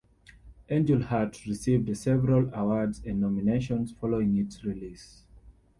"Angel Heart" received several awards and nominations following its release.